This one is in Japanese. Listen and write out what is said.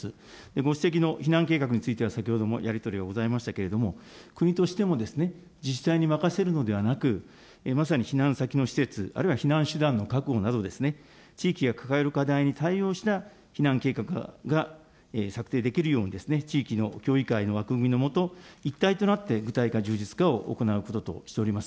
ご指摘の避難計画については、先ほどもやり取りがございましたけれども、国としても、自治体に任せるのではなく、まさに避難先の施設、あるいは避難手段の確保など、地域が抱える課題に対応した避難計画が策定できるように、地域の協議会の枠組みの下、一体となって具体化、充実化を行うこととしております。